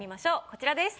こちらです。